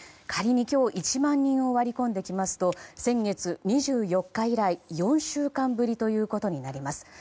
仮に今日１万人を割り込んできますと先月２４日以来４週間ぶりとなります。